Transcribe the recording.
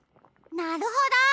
なるほど！